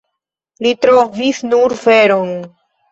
Li trovis nur feron.